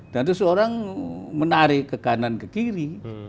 dan itu seorang menarik ke kanan ke kiri